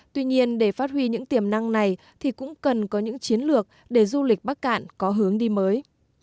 tuy nhiên để phát huy những tiềm năng này thì cũng cần có những chiến lược để du lịch bắc cạn có hướng đi mới